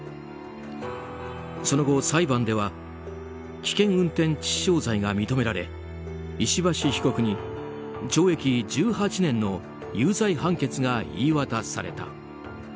その後、裁判では危険運転致死傷罪が認められ石橋被告に懲役１８年の有罪判決が言い渡された。